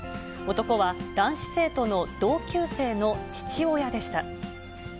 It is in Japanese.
男は、男子生徒の同級生の父親でした。